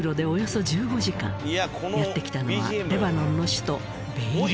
やって来たのはレバノンの首都ベイルート。